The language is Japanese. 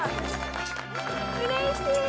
うれしい！